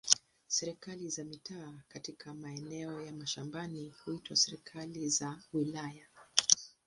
Serikali za mitaa katika maeneo ya mashambani huitwa serikali za wilaya.